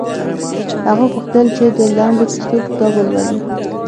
هغه غوښتل چې د لنډو کیسو کتاب ولولي